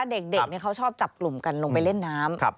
เด็กเขาชอบจับกลุ่มกันลงไปเล่นน้ำ